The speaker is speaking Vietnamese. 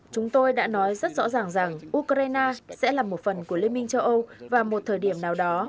chúng tôi đã nói rất rõ ràng rằng ukraine sẽ là một phần của liên minh châu âu vào một thời điểm nào đó